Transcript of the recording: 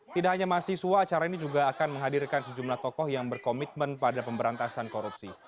tidak hanya mahasiswa acara ini juga akan menghadirkan sejumlah tokoh yang berkomitmen pada pemberantasan korupsi